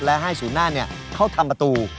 และให้สู่หน้าเนี่ยเข้าทำประตู